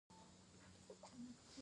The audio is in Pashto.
مصنوعي ځیرکتیا د فرهنګي بدلون چټکوي.